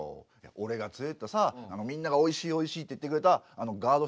俺が連れてったさみんなが「おいしいおいしい」って言ってくれたあのガード